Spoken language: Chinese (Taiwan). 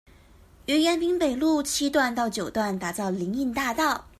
於延平北路七段到九段打造林蔭大道